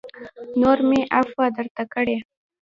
نور مې عفوه درته کړې